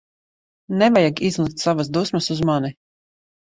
Nevajag izlikt savas dusmas uz mani.